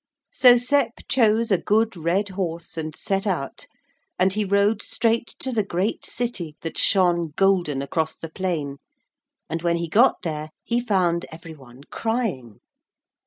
So Sep chose a good red horse and set out, and he rode straight to the great city, that shone golden across the plain, and when he got there he found every one crying.